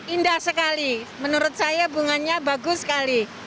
indah sekali menurut saya bunganya bagus sekali